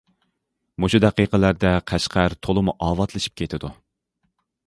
مۇشۇ دەقىقىلەردە، قەشقەر تولىمۇ ئاۋاتلىشىپ كېتىدۇ!